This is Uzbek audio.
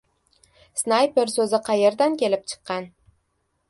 "Snayper" so‘zi qayerdan kelib chiqqan?